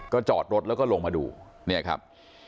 จอดรถแล้วก็ลงมาดูเนี่ยครับ